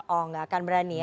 tidak akan berani ya